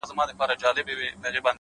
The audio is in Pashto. • د قلا تر جګ دېواله یې راوړی,